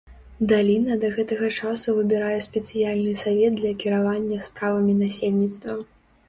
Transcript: Даліна да гэтага часу выбірае спецыяльны савет для кіравання справамі насельніцтва.